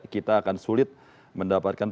kita akan sulit mendapatkan